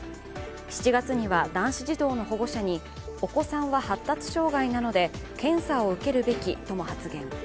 ７月には男子児童の保護者に、お子さんは発達障害なので検査を受けるべきとも発言。